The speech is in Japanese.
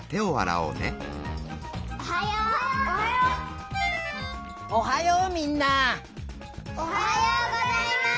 おはようございます！